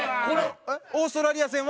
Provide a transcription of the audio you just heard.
オーストラリア戦は？